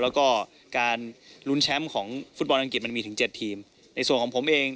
แล้วก็การลุ้นแชมป์ของฟุตบอลอังกฤษมันมีถึงเจ็ดทีมในส่วนของผมเอง